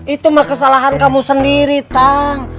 itu mah kesalahan kamu sendiri kang